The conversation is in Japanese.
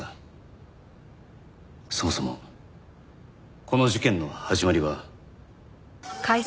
そもそもこの事件の始まりは。